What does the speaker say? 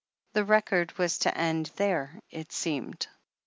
The record was to end there, it seemed.